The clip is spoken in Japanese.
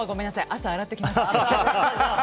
朝、洗ってきました。